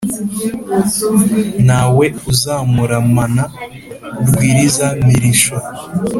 nta we uzamuramana rwiriza-mirisho.